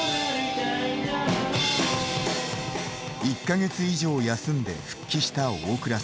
１か月以上休んで復帰した大倉さん。